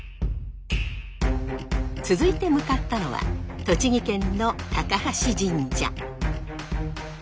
続いて向かったのは栃木県の高椅神社。